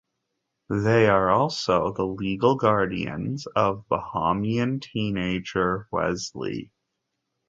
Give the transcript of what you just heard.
They are also the legal guardians of a Bahamian teenager, Wesley.